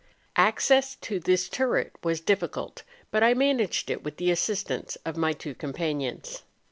Access to this turret was difficult, but I managed it with the assistance of m}^ two companions.